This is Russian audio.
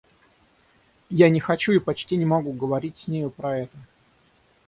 Я не хочу и почти не могу говорить с нею про это.